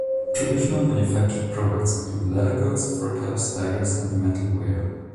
Traditional manufactured products include leather goods, fur caps, daggers, and metalware.